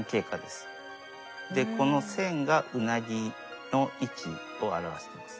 この線がウナギの位置を表してます。